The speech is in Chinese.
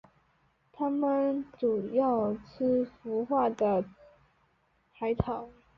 它们主要吃腐化的海草。